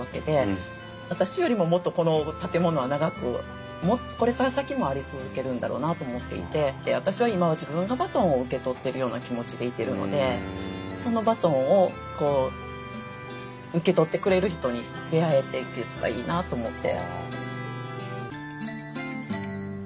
私よりももっとこの建物は長くもっとこれから先もあり続けるんだろうなと思っていて私は今自分がバトンを受け取ってるような気持ちでいてるのでそのバトンを受け取ってくれる人に出会えていければいいなと思って。